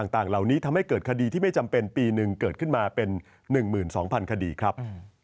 ต่างเหล่านี้ทำให้เกิดคดีที่ไม่จำเป็นปีหนึ่งเกิดขึ้นมาเป็น๑๒๐๐คดีครับ